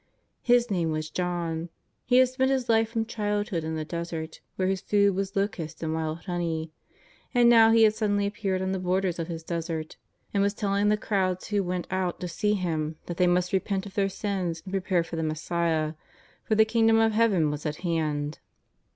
His name was John. He had spent his life from childhood in the desert, where his food was locusts and wild honey. And now he had suddenly appeared on the borders of his desert and was telling the crowds who went out to see him that they must repent of their sins and prepare for the Messiah, for the Kingdom of Heaven was at hand.